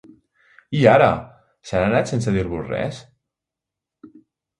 I ara!, se n'ha anat sense dir-vos res?